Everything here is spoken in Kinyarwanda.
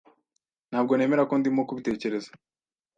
Ntabwo nemera ko ndimo kubitekereza.